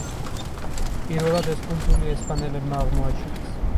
პირველად ეს კუნძული ესპანელებმა აღმოაჩინეს.